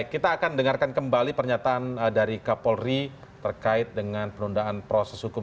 kita akan dengarkan kembali pernyataan dari kapolri terkait dengan penundaan proses hukum